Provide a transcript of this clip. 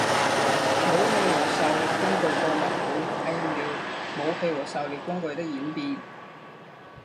武器和狩猎工具博物馆反映了武器和狩猎工具的演变。